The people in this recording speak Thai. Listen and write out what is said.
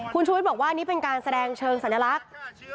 คุณชูวิทย์บอกว่านี่เป็นการแสดงเชิงสัญลักษณ์